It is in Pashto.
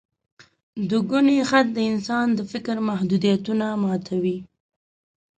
دوګوني خط د انسان د فکر محدودیتونه ماتوي.